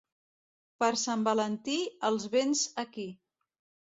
Per Sant Valentí, els vents aquí.